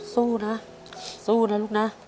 สู้นะสู้นะลูกนะ